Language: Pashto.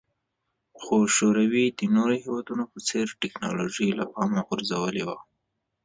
خو شوروي د نورو هېوادونو په څېر ټکنالوژي له پامه غورځولې وه